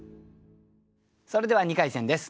それでは２回戦です。